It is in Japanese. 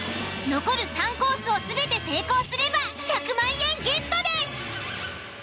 残る３コースを全て成功すれば１００万円ゲットです！